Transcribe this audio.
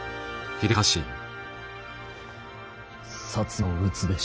摩を討つべし！